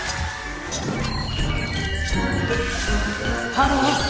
ハロー！